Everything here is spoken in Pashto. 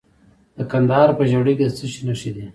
د کندهار په ژیړۍ کې د څه شي نښې دي؟